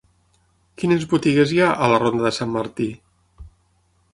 Quines botigues hi ha a la ronda de Sant Martí?